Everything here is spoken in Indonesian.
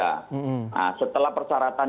nah setelah persyaratan